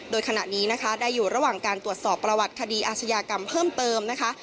โดยขณะนี้นะคะได้อยู่ระหว่างการตรวจสอบประวัติคดีอาชญากรรมเพิ่มเติมนะคะ